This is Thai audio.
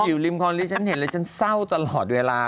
อยู่ริมคลองนี้ฉันเห็นเลยฉันเศร้าตลอดเวลา